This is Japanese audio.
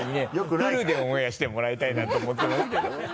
フルでオンエアしてもらいたいなと思ってますけど。